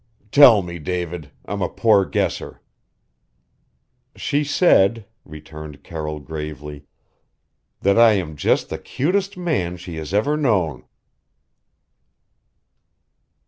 "Tell me, David I'm a poor guesser." "She said," returned Carroll gravely "that I am just the cutest man she has ever known!"